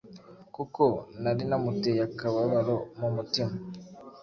kuko nari namuteye akababaro mu mutima.